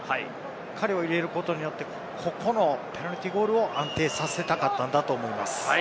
彼を入れることでここのペナルティーゴールを安定させたかったんだと思います。